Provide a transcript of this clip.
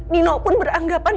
nino pun beranggapan